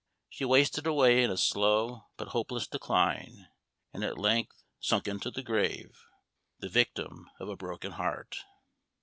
She wasted away in a slow, but hopeless decline, and at length sunk into the grave, the victim of a broken heart.